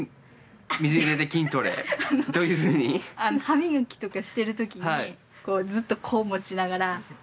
歯磨きとかしてる時にずっとこう持ちながら。